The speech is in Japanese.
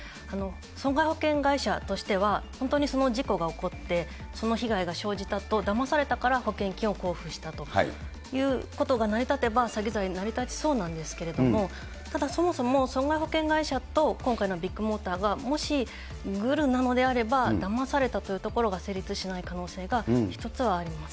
損害保険会社としては、本当にその事故が起こって、その被害が生じたとだまされたから保険金を交付したということが成り立てば、詐欺罪、成り立ちそうなんですけれども、ただそもそも損害保険会社と今回のビッグモーターが、もしグルなのであれば、だまされたというところが成立しない可能性が一つはあります。